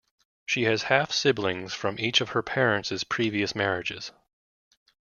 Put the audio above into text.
She has half-siblings from each of her parents' previous marriages.